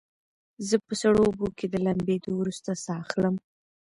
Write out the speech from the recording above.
زه په سړو اوبو کې د لامبېدو وروسته ساه اخلم.